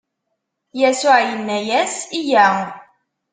Yasuɛ inna-as: Yya!